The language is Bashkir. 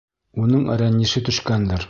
Уның рәнйеше төшкәндер.